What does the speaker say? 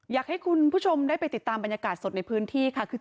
อยากให้คุณผู้ชมได้ไปติดตามบรรยากาศสดในพื้นที่ค่ะ